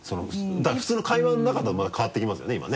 だから普通の会話の中だとまた変わってきますよね今ね。